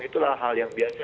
itulah hal yang biasa